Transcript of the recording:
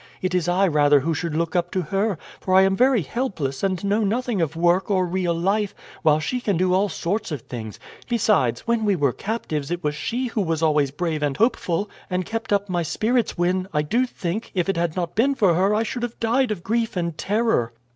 It is I rather who should look up to her, for I am very helpless, and know nothing of work or real life, while she can do all sorts of things; besides, when we were captives it was she who was always brave and hopeful, and kept up my spirits when, I do think, if it had not been for her I should have died of grief and terror."